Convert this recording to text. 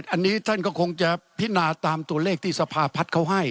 อันนี้ท่านก็คงจะพินาตามตัวเลขที่สภาพัฒน์เขาให้